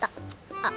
あっ！